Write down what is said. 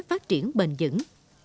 phát triển bền dững